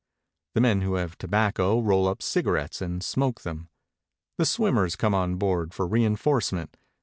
The men who have tobacco roll up cigarettes and smoke them. The swim mers come on board for reinforcement.